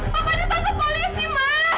papa ditangkap polisi ma